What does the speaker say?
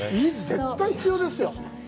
絶対必要ですよ。